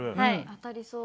当たりそう？